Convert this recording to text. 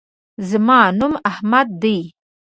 زما نوم احمد دے